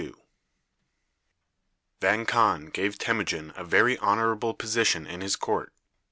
Vang Khan gave Temujin a very honorable position in his court.